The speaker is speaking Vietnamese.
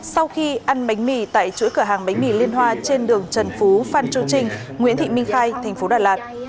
sau khi ăn bánh mì tại chuỗi cửa hàng bánh mì liên hoa trên đường trần phú phan chu trinh nguyễn thị minh khai thành phố đà lạt